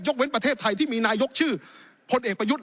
เว้นประเทศไทยที่มีนายกชื่อพลเอกประยุทธ์